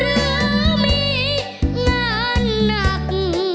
หรือมีงานหนัก